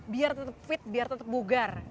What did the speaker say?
biar tetap fit biar tetap bugar